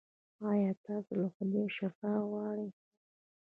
ایا تاسو له خدایه شفا غواړئ؟